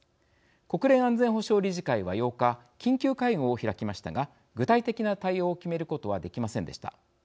国連安全保障理事会は８日緊急会合を開きましたが具体的な対応を決めることはできませんでした。